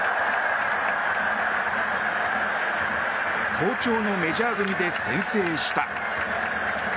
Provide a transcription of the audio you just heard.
好調のメジャー組で先制した。